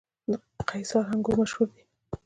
قیصار انګور مشهور دي؟